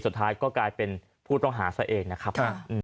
สุดท้ายก็กลายเป็นผู้ต้องหาซะเองนะครับ